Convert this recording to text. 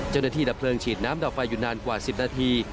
เจ้าหน้าที่ดับเพลิงฉีดน้ำดับไฟหยุดนานกว่า๑๐นาที